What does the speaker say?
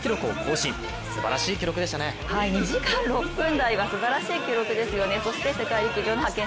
２時間６分台はすばらしい結果ですね。